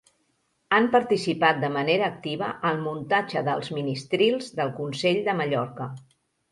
Han participat de manera activa al muntatge dels Ministrils del Consell de Mallorca.